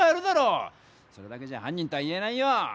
それだけじゃ犯人とは言えないよ！